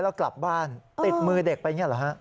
แล้วกลับบ้านติดมือเด็กไปอย่างนี้เหรอฮะ